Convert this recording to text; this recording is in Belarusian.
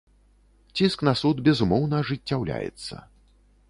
Ціск на суд, безумоўна, ажыццяўляецца.